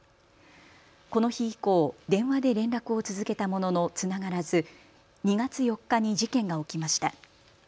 この日以降、電話で連絡を続けたもののつながらず２月４日に事件が起きました。